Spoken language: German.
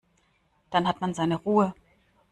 Dann hat man seine Ruhe.